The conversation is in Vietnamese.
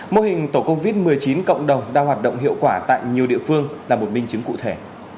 mô hình tổ covid một mươi chín cộng đồng đang hoạt động hiệu quả tại nhiều địa phương là một minh chứng cụ thể